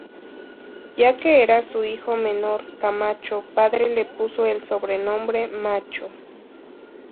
Ya que era su hijo menor, Camacho padre le puso el sobrenombre "Macho".